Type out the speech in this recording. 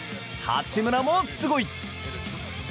八村もすごい。